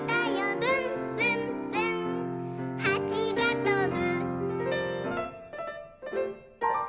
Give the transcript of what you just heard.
「ぶんぶんぶんはちがとぶ」